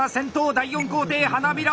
第４工程花びら折り！